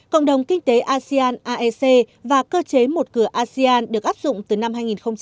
cộng đồng kinh tế asean aec và cơ chế một cửa asean được áp dụng từ năm hai nghìn một mươi năm